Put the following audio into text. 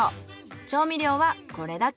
調味料はこれだけ。